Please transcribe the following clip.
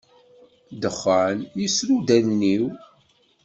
Dexxan yesru-d allen-iw.